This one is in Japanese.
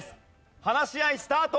話し合いスタート！